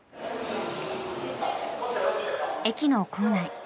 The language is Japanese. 駅の構内。